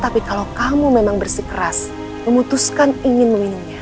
tapi kalau kamu memang bersikeras memutuskan ingin meminumnya